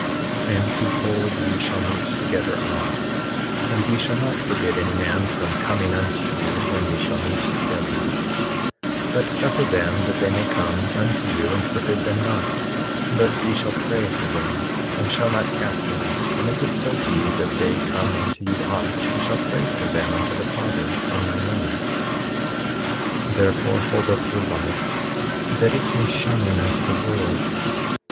18:22 And behold, ye shall meet together oft; and ye shall not forbid any man from coming unto you when ye shall meet together, but suffer them that they may come unto you and forbid them not; 18:23 But ye shall pray for them, and shall not cast them out; and if it so be that they come unto you oft ye shall pray for them unto the Father, in my name. 18:24 Therefore, hold up your light that it may shine unto the world.